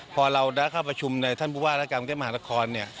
พอเราได้รับความประชุมในท่านผู้ว่าและการบังเกษมหาละคร